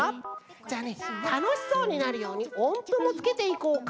じゃあねたのしそうになるようにおんぷもつけていこうかな。